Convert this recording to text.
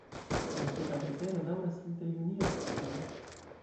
La seka vetero daŭras inter junio-septembro.